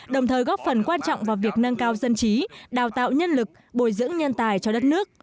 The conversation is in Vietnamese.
đồng thời góp phần quan trọng vào việc nâng cao dân trí đào tạo nhân lực bồi dưỡng nhân tài cho đất nước